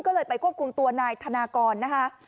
ก็เลยไปควบคุมตัวนายธนากรนะคะ